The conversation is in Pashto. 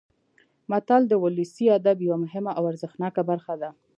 متل د ولسي ادب یوه مهمه او ارزښتناکه برخه ده